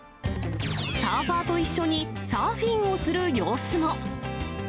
サーファーと一緒にサーフィンをする様子も。